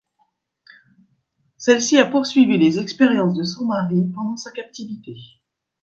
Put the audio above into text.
Celle-ci a poursuivi les expériences de son mari pendant sa captivité.